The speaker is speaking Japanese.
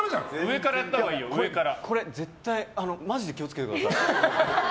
これ絶対マジで気を付けてください。